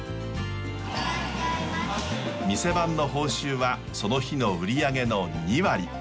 店番の報酬はその日の売り上げの２割。